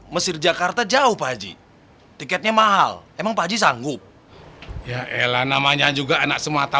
mesir jakarta jauh pak aji tiketnya mahal emang pak aji sanggup ya elah namanya juga anak semata